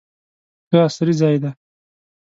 ښه عصري ځای دی.